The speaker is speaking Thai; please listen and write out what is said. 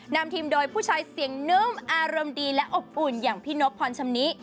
นำทีมโดยผู้ชายเสียงนึ้มอารมณ์ดีและอบอุ่นอย่างพี่นบพรชำนิ